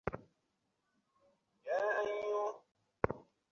মদীনাবাসী ঘোর মহাবিপদে নিপতিত।